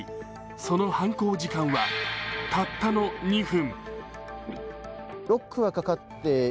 その犯行時間はたったの２分。